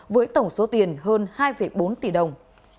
với tổng số tiền hơn hai bốn tỷ đồng